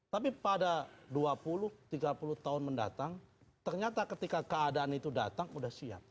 tapi pada dua puluh tiga puluh tahun mendatang ternyata ketika keadaan itu datang sudah siap